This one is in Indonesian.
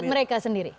buat mereka sendiri